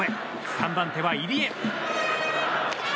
３番手は入江。